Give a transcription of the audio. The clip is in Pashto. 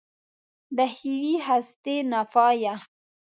د ښېوې هستي ناپایه